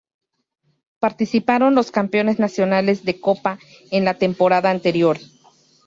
Participaron los campeones nacionales de copa en la temporada anterior.